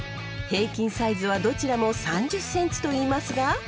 平均サイズはどちらも３０ｃｍといいますが。